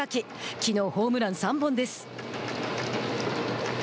きのうホームラン３本です。